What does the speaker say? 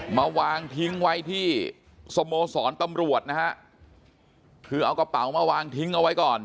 มาวางทิ้งไว้ที่สโมสรตำรวจนะฮะคือเอากระเป๋ามาวางทิ้งเอาไว้ก่อน